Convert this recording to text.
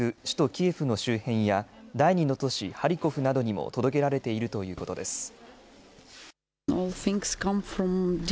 首都キエフの周辺や第２の都市ハリコフなどにも届けられているということです。